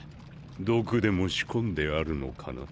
毒でも仕込んであるのかな？